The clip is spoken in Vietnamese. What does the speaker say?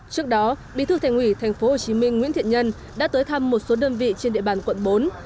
trước đó bí thư thành ủy tp hcm nguyễn thiện nhân đã tới thăm một số đơn vị trên địa bàn quận bốn